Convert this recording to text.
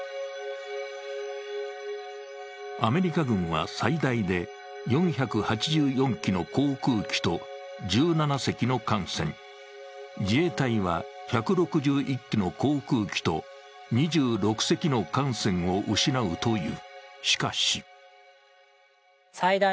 アメリカ軍は最大で４８４機の航空機と１７隻の艦船、自衛隊は１６１機の航空機と２６隻の艦船を失うという。